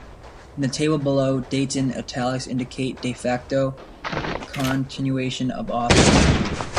In the table below, dates in italics indicate "de facto "continuation of office.